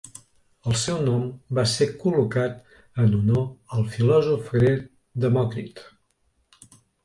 El seu nom va ser col·locat en honor al filòsof grec Demòcrit.